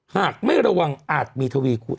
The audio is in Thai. หากไม่ระวังอาจมีทวีคูณ